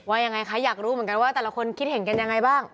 ยังไงคะอยากรู้เหมือนกันว่าแต่ละคนคิดเห็นกันยังไงบ้าง